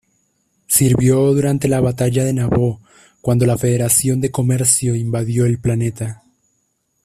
Sirvió durante la batalla de Naboo, cuando la Federación de comercio invadió el planeta.